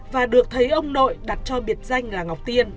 và được thấy ông nội đặt cho biệt danh là ngọc tiên